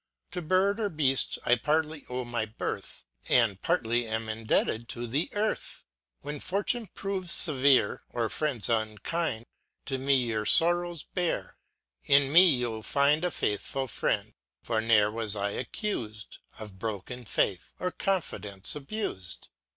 To bird or beaft I partly owe my birth, And partly am indebted to the earth. â When fortune proves fevere, or friends unkind. To me your forrows bear â in me you*Jl find A faithful friend â for ne'er was I accut'd Of broken faith, or confidence abus'd.